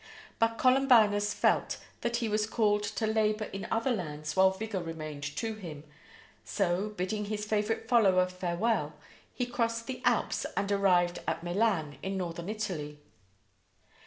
But Columbanus felt that he was called to labor in other lands while vigor remained to him, so, bidding his favorite follower farewell, he crossed the Alps and arrived at Milan in northern Italy.